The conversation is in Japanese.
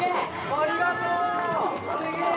ありがとう！